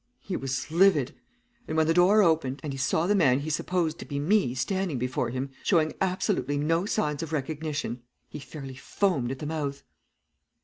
"He was livid, and when the door opened, and he saw the man he supposed to be me standing before him showing absolutely no signs of recognition, he fairly foamed at the mouth.